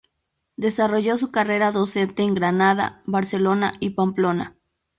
Desarrolló su carrera docente en Granada, Barcelona y Pamplona.